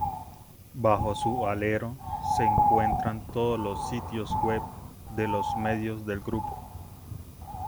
Bajo su alero se encuentran todos los sitios web de los medios del grupo.